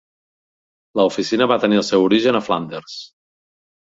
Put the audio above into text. La oficina va tenir el seu origen a Flanders.